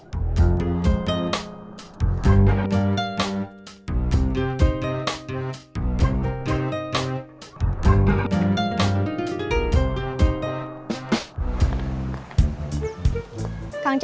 facebook member kang cecep